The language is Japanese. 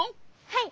はい。